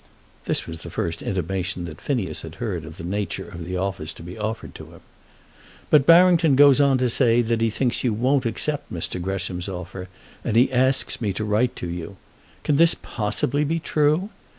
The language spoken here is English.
[This was the first intimation that Phineas had heard of the nature of the office to be offered to him. ] But Barrington goes on to say that he thinks you won't accept Mr. Gresham's offer, and he asks me to write to you. Can this possibly be true?